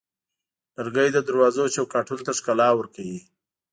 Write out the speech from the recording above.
لرګی د دروازو چوکاټونو ته ښکلا ورکوي.